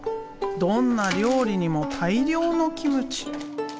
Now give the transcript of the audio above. どんな料理にも大量のキムチ。